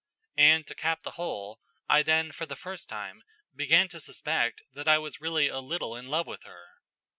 And, to cap the whole, I then for the first time began to suspect that I was really a little in love with her."